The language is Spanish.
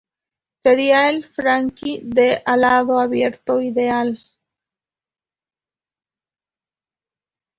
Sería el flanker del lado abierto ideal.